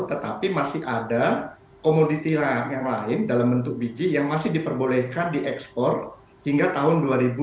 tetapi masih ada komoditim yang lain dalam bentuk biji yang masih diperbolehkan diekspor hingga tahun dua ribu dua puluh